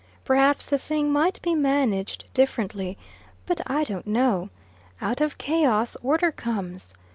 Perhaps the thing might be managed differently. But I don't know. Out of chaos, order comes.